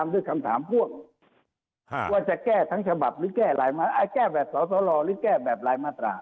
เรื่องแปลม